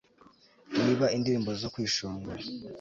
niba indirimbo zo kwishongora